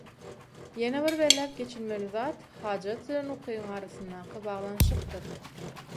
Ýene bir belläp geçilmeli zat hajat bilen ukybyň arasyndaky baglanşykdyr.